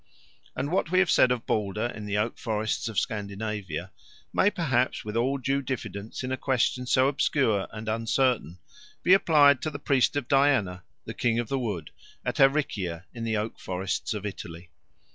And what we have said of Balder in the oak forests of Scandinavia may perhaps, with all due diffidence in a question so obscure and uncertain, be applied to the priest of Diana, the King of the Wood, at Aricia in the oak forests of Italy.